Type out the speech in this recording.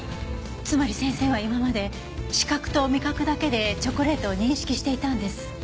つまり先生は今まで視覚と味覚だけでチョコレートを認識していたんです。